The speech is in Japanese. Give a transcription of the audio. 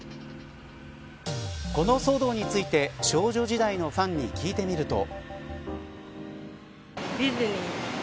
この騒動について少女時代のファンに聞いてみると。